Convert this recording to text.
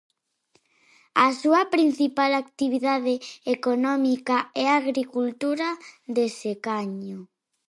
A súa principal actividade económica é a agricultura de secaño.